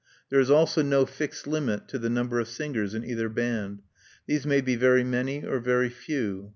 There is also no fixed limit to the number of singers in either band: these may be very many or very few.